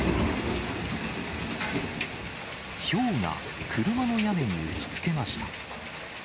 ひょうが車の屋根に打ちつけました。